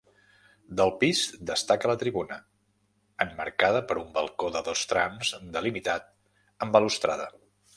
Del pis destaca la tribuna, emmarcada per un balcó de dos trams delimitat amb balustrada.